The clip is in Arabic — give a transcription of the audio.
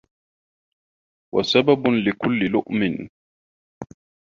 وَسَبَبٌ لِكُلِّ لُؤْمٍ